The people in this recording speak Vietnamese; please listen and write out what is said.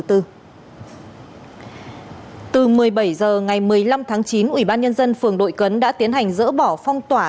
từ một mươi bảy h ngày một mươi năm tháng chín ủy ban nhân dân phường đội cấn đã tiến hành dỡ bỏ phong tỏa